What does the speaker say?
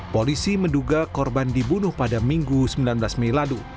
polisi menduga korban dibunuh pada minggu sembilan belas miladu